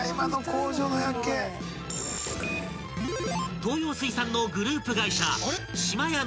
［東洋水産のグループ会社］